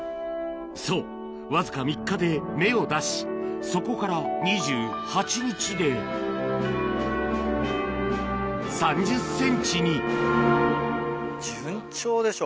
そうわずか３日で芽を出しそこから２８日で３０ｃｍに順調でしょ。